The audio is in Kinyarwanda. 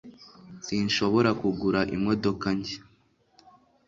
sinshobora kugura imodoka nshya